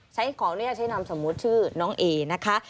ใช้ของน่ะใช้นำสมมุติชื่อน้องเอนะคะ